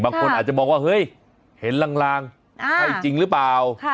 บางคนอาจจะมองว่าเฮ้ยเห็นลางใช่จริงหรือเปล่า